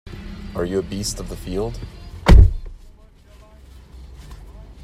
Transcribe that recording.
Are you a beast of the field?